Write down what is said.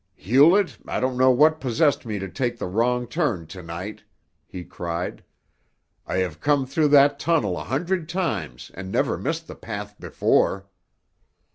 "Hewlett, I don't know what possessed me to take the wrong turn to night!" he cried. "I have come through that tunnel a hundred times and never missed the path before."